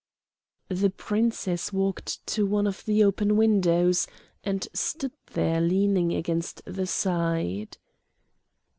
The Princess walked back to one of the open windows, and stood there leaning against the side.